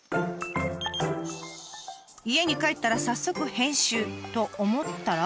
家に帰ったら早速編集と思ったら。